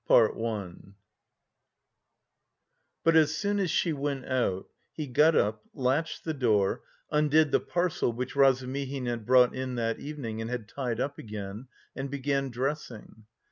CHAPTER VI But as soon as she went out, he got up, latched the door, undid the parcel which Razumihin had brought in that evening and had tied up again and began dressing.